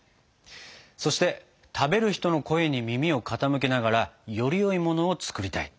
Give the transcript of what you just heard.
そして食べる人の声に耳を傾けながらよりよいものを作りたい。